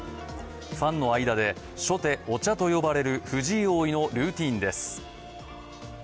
ファンの間で初手、お茶！と呼ばれる藤井王位のルーチンです。